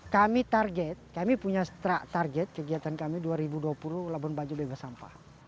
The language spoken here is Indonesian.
kami target kami punya target kegiatan kami dua ribu dua puluh labuan bajo bebas sampah